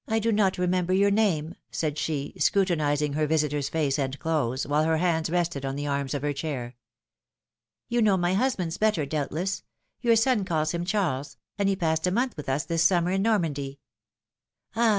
do not remember your name," said she, scrutinizing her visitor's face and clothes, while her hands rested on the arms of her chair. You know my husband's better, doubtless ; your son calls him Charles, and he passed a month with us this summer in Normandy." ^^Ah